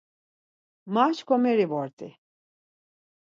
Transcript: Ma şǩomeri vort̆i.